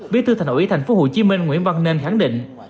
bí thư thành ủy tp hcm nguyễn văn nên khẳng định